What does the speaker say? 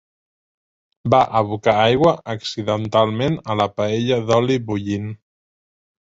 Va abocar aigua accidentalment a la paella d'oli bullint.